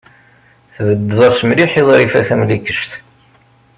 Tbeddeḍ-as mliḥ i Ḍrifa Tamlikect.